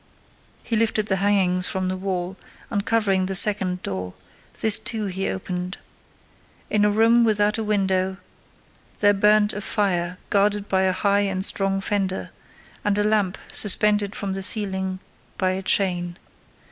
He lifted the hangings from the wall, uncovering the second door: this, too, he opened. In a room without a window, there burnt a fire guarded by a high and strong fender, and a lamp suspended from the ceiling by a chain.